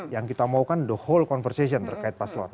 yang kita mau kan the whole conversation terkait paslon